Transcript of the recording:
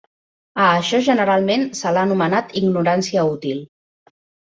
A això generalment se l'ha anomenat ignorància útil.